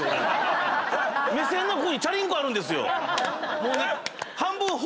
目線のここにチャリンコあるんですよ。